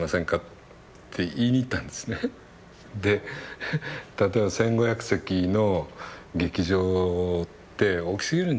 で例えば１，５００席の劇場って大きすぎるんじゃないかと。